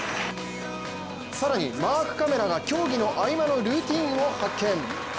更にマークカメラが競技の合間のルーチンを発見。